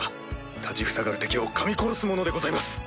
立ちふさがる敵をかみ殺す者でございます。